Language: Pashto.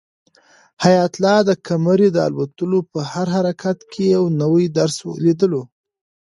حیات الله د قمرۍ د الوتلو په هر حرکت کې یو نوی درس لیدلو.